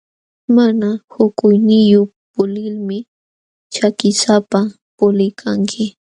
Mana hukuyniyuq pulilmi ćhakisapa puliykanki.